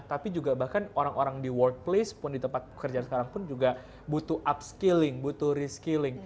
tapi juga bahkan orang orang di world place pun di tempat pekerjaan sekarang pun juga butuh upskilling butuh reskilling